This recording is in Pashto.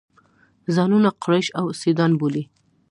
ځانونه قریش او سیدان بولي.